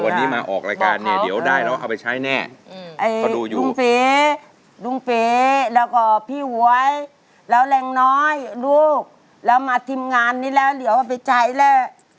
วันนี้มาออกรายการเนี่ยเดี๋ยวได้แล้วก็เอาไปใช้แน่